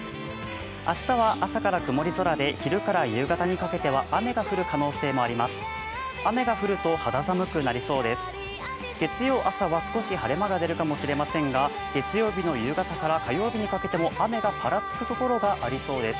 明日は朝から曇り空で昼から夕方にかけては雨が降る可能性もあります。